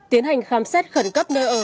tiến hành khám xét khẩn cấp nơi ở